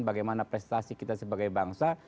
bagaimana prestasi kita sebagai bangsa